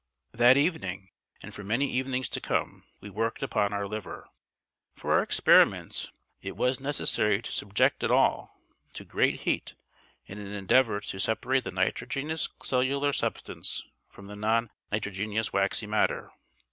That evening, and for many evenings to come, we worked upon our liver. For our experiments it was necessary to subject it all to great heat in an endeavour to separate the nitrogenous cellular substance from the non nitrogenous waxy matter.